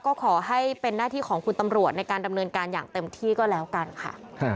ก็ขอให้เป็นหน้าที่ของคุณตำรวจในการดำเนินการอย่างเต็มที่ก็แล้วกันค่ะ